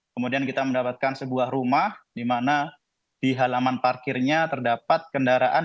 kemudian kita mendapatkan sebuah rumah di mana di halaman parkirnya terdapat kendaraan